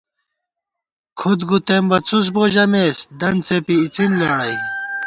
کھُد گُتېم بہ څُس بو ژَمېس، دن څېپی اِڅِن لېڑَئی